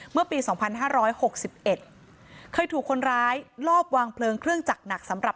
เมื่อปี๒๕๖๑เคยถูกคนร้ายลอบวางเพลิงเครื่องจักรหนักสำหรับ